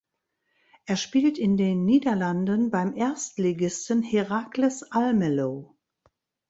Er spielt in den Niederlanden beim Erstligisten Heracles Almelo.